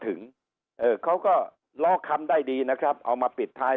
เออเขาก็ล้อคำได้ดีนะครับเอามาปิดท้าย